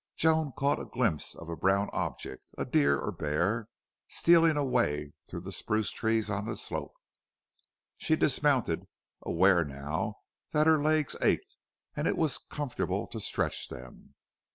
Joan caught a glimpse of a brown object, a deer or bear, stealing away through spruce trees on the slope. She dismounted, aware now that her legs ached and it was comfortable to stretch them.